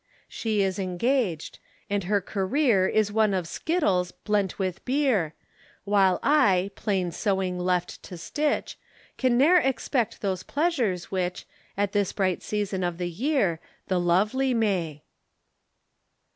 She is engaged and her career Is one of skittles blent with beer, While I, plain sewing left to stitch, Can ne'er expect those pleasures which, At this bright season of the year, The lovely may.